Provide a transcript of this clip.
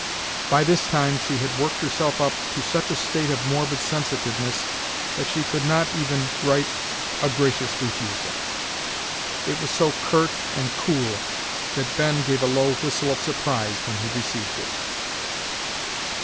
By this time she had worked herself up to such a state of morbid sensitiveness that she could not even write a gracious refusal. It was so curt and cool that Ben gave a low whistle of surprise when he received it.